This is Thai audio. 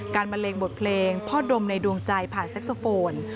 บันเลงบทเพลงพ่อดมในดวงใจผ่านเซ็กโซโฟน